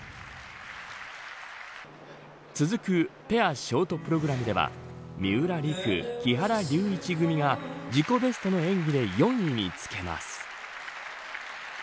続くペアショートプログラムでは三浦璃来、木原龍一組が自己ベストの演技で４位につけます。